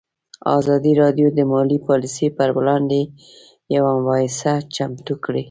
ازادي راډیو د مالي پالیسي پر وړاندې یوه مباحثه چمتو کړې.